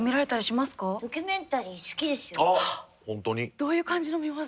どういう感じの見ます？